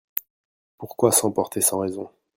Pourquoi s'emporter sans raison ?